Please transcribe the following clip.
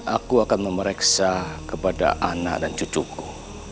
aku akan memeriksa kepada anak dan cucuku